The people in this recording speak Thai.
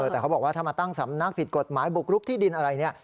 แต่เขาบอกว่าถ้ามาตั้งสำนักผิดกฎหมายบุกรุกที่ดินอะไรเนี่ย